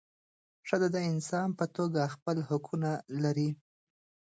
ښځه د انسان په توګه خپل حقونه لري .